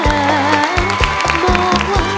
แก้มร้องได้